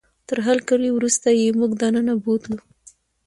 تر هرکلي وروسته یې موږ دننه بوتلو.